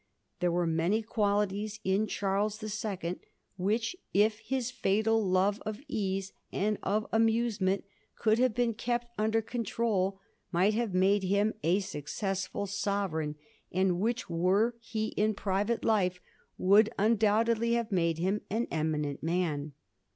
There were many qualities in Charles the Second which, if his fatal love of ease and of amusement could have been kept under control, might have made him a successful sovereign, and which, were he in private life, would undoubtedly have made him an eminent man.